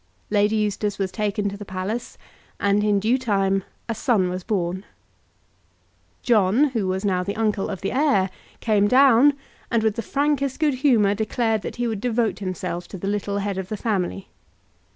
Lady Eustace was taken to the palace, and in due time a son was born. John, who was now the uncle of the heir, came down, and, with the frankest good humour, declared that he would devote himself to the little head of the family.